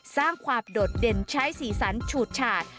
สร้างความโดดเด่นใช้สีสันฉูดฉาด